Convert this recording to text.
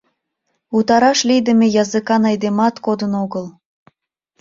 Утараш лийдыме языкан айдемат кодын огыл.